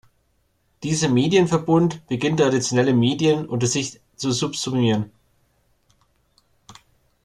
Dieser Medienverbund beginnt traditionelle Medien unter sich zu subsumieren.